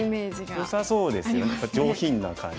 よさそうですよね上品な感じ。